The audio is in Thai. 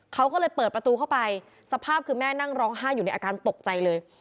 เขาก็เลยเปิดประตูเข้าไปสภาพคือแม่นั่งร้องไห้อยู่ในอาการตกใจเลย